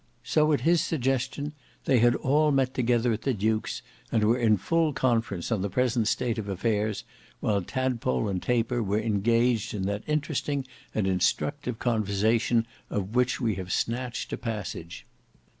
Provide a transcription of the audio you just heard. So at his suggestion they had all met together at the duke's, and were in full conference on the present state of affairs, while Tadpole and Taper were engaged in that interesting and instructive conversation of which we have snatched a passage.